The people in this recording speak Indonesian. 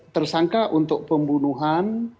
tersangka untuk pembunuhan